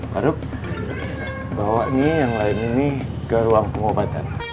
baru bawa nih yang lain ini ke ruang pengobatan